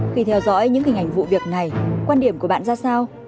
khi theo dõi những hình ảnh vụ việc này quan điểm của bạn ra sao